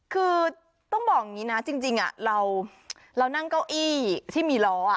คือต้องบอกอย่างนี้นะจริงเรานั่งเก้าอี้ที่มีล้อ